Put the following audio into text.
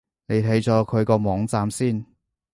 你睇咗佢個網站先